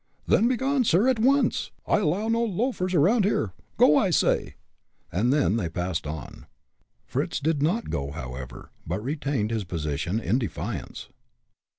"Then begone, sir, at once! I allow no loafers around here. Go, I say!" and then they passed on. Fritz did not go, however, but retained his position, in defiance.